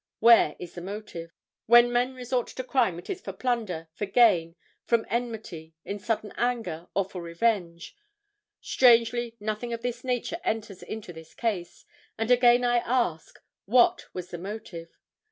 Where is the motive? When men resort to crime it is for plunder, for gain, from enmity, in sudden anger or for revenge. Strangely, nothing of this nature enters into this case, and again I ask—what was the motive?